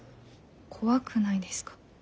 怖くないですか？